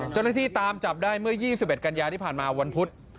เจ้าหน้าที่ตามจับได้เมื่อ๒๑กันยาที่ผ่านมาวันพุธ